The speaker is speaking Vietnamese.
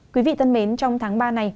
quý vị thân mến trong tháng ba này